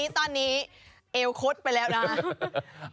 ตอนนี้เอวคดไปแล้วนะ